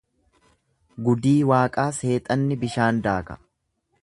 Gudii Waaqaa seexanni bishaan daaka.